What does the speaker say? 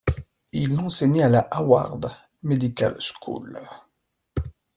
Il enseignait à la Harvard Medical School.